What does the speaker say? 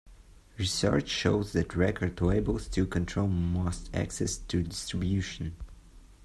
Research shows that record labels still control most access to distribution.